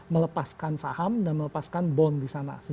melepaskan saham dan melepaskan bond di sana